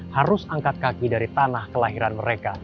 harus angkat kaki dari tanah kelahiran mereka